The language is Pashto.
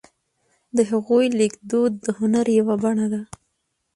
د هغوی لیکدود د هنر یوه بڼه ده.